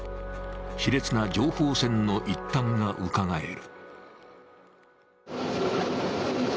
しれつな情報戦の一端がうかがえる。